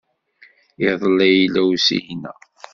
Iḍelli yella usigna.